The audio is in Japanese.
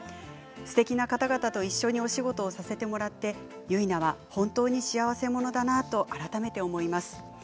すてきな方々と一緒にお仕事させてもらって結菜は本当に幸せ者だなと改めて思います。